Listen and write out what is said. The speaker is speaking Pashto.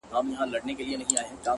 د خوار د ژوند كيسه ماتـه كړه _